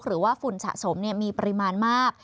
หรือว่าฝุ่นสะสมมีปริมาณมาก